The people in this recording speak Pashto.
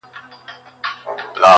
دا د یزید او کربلا لښکري٫